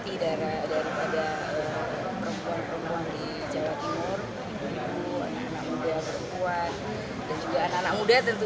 daripada perempuan perempuan di jawa timur